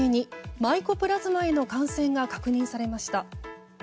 マイコプラズマへの感染が確認されました。